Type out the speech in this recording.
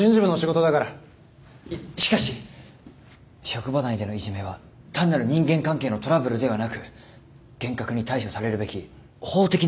しかし職場内でのいじめは単なる人間関係のトラブルではなく厳格に対処されるべき法的な問題です。